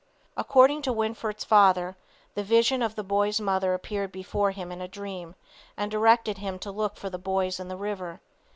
According to Winford's father, the vision of the boy's mother appeared before him in a dream and directed him to look for the boys in the river.